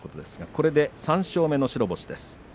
これで３勝目の白星です。